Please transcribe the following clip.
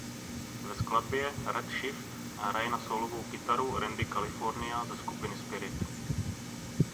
Ve skladbě „Red Shift“ hraje na sólovou kytaru Randy California ze skupiny Spirit.